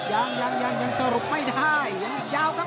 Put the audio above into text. ยังยังยังยังสรุปไม่ได้ยังยังยาวครับ